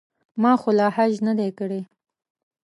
ما خو لا حج نه دی کړی.